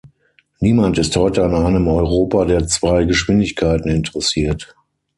Niemand ist heute an einem Europa der zwei Geschwindigkeiten interessiert.